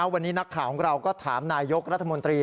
วันนี้นักข่าวของเราก็ถามนายยกรัฐมนตรี